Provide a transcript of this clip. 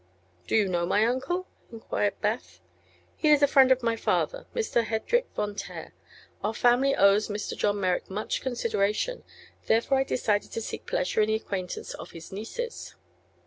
"Do you know my uncle?" enquired Beth. "He is the friend of my father, Mr. Hedrik Von Taer. Our family owes Mr. John Merrick much consideration. Therefore I decided to seek pleasure in the acquaintance of his nieces."